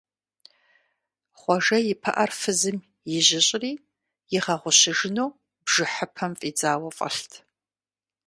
Хъуэжэ и пыӀэр фызым ижьыщӀри, игъэгъущыжыну бжыхьыпэм фӀидзауэ фӀэлът.